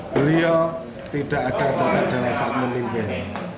beliau tidak ada cocok dalam saat memimpin